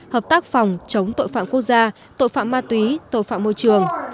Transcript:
hợp tác phòng chống tội phạm quốc gia tội phạm ma túy tội phạm môi trường